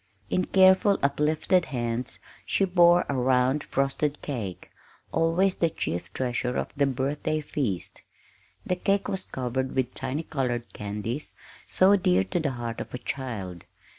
In careful, uplifted hands she bore a round frosted cake, always the chief treasure of the birthday feast. The cake was covered with the tiny colored candies so dear to the heart of a child.